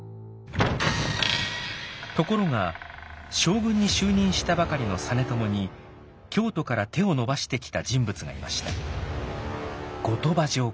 ところが将軍に就任したばかりの実朝に京都から手を伸ばしてきた人物がいました。